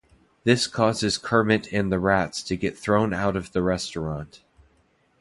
This causes Kermit and the rats to get thrown out of the restaurant.